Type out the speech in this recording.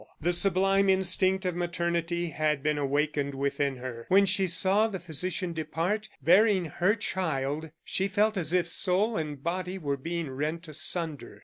The sublime instinct of maternity had been awakened within her. When she saw the physician depart, bearing her child, she felt as if soul and body were being rent asunder.